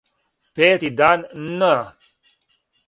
Пети дан н.